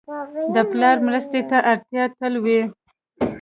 د پلار مرستې ته اړتیا تل وي.